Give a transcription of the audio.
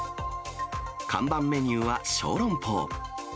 看板メニューは小籠包。